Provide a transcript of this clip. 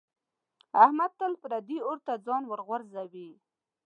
احمد تل پردي اور ته ځان ورغورځوي.